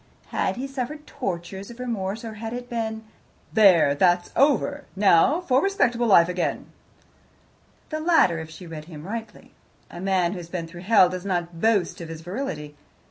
Had he suffered tortures of remorse, or had it been, "There! that's over. Now for respectable life again"? The latter, if she read him rightly. A man who has been through hell does not boast of his virility.